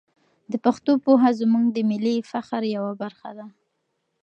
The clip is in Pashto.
د پښتو پوهه زموږ د ملي فخر یوه برخه ده.